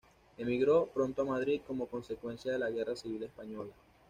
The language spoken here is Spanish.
Emigró pronto a Madrid como consecuencia de la Guerra Civil Española.